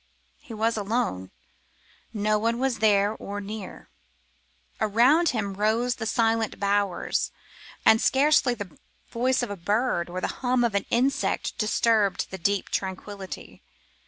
He was alone. No one was there or near. Around him rose the silent bowers, and scarcely the voice of a bird or the hum of an insect disturbed the deep tranquillity.